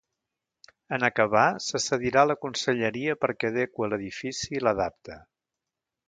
En acabar se cedirà a la conselleria perquè adeqüe l’edifici i l’adapte.